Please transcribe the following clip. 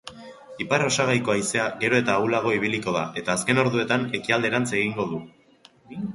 Ipar-osagaiko haizea gero eta ahulago ibiliko da eta azken orduetan ekialderantz egingo du.